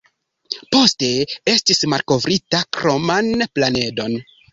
Poste, estis malkovrita kroman planedon.